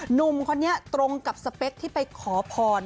หนุ่มคนนี้ตรงกับสเปคที่ไปขอพร